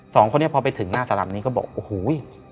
สองคนนี้พอไปถึงหน้าตาลำนี้ก็บอกโอ้โห